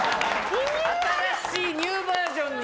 新しいニューバージョンに。